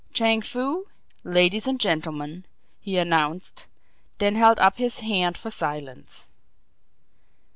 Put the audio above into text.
"Chang Foo ladies and gentlemen," he announced; then held up his hand for silence.